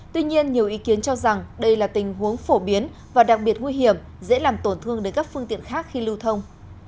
tuy nhiên nhiều ý kiến cho rằng đây là tình huống phổ biến và đặc biệt nguy hiểm dễ làm tổn thương đến các phương tiện khác khi lưu thông